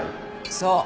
そう。